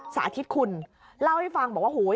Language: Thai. สาธิตคุณเล่าให้ฟังบอกว่าโหย